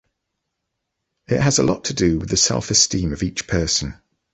It has a lot to do with the self-esteem of each person.